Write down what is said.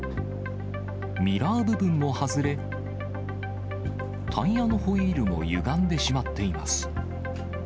ミラー部分も外れ、タイヤのホイールもゆがんでしまっています。